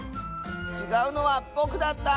ちがうのはぼくだった！